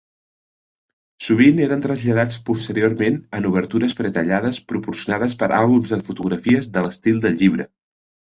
Sovint eren traslladats posteriorment en obertures pretallades proporcionades per àlbums de fotografies de l'estil de llibre.